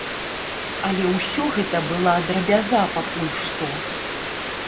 Але ўсё гэта была драбяза пакуль што.